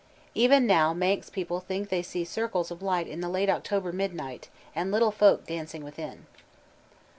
Even now Manx people think they see circles of light in the late October midnight, and little folk dancing within.